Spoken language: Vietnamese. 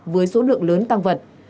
với số lượng lớn tăng vật